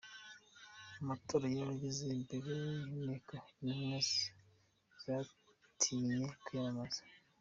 Mu matora y’abagize Biro y’Inteko Intumwa zatinye kwiyamamaza.